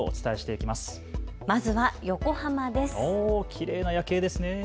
きれいな夜景ですね。